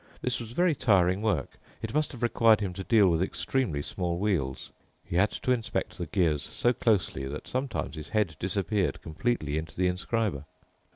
This was very tiring work. It must have required him to deal with extremely small wheels. He had to inspect the gears so closely that sometimes his head disappeared completely into the inscriber.